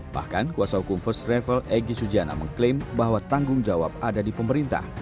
bahkan kuasa hukum first travel egy sujana mengklaim bahwa tanggung jawab ada di pemerintah